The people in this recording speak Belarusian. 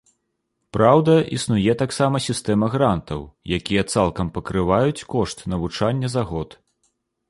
Праўда, існуе таксама сістэма грантаў, якія цалкам пакрываюць кошт навучання за год.